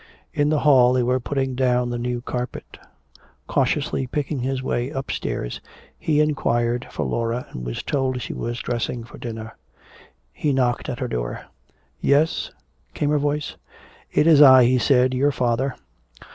In the hall they were putting down the new carpet. Cautiously picking his way upstairs, he inquired for Laura and was told she was dressing for dinner. He knocked at her door. "Yes?" came her voice. "It's I," he said, "your father."